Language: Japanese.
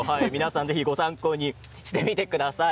ご参考にしてみてください。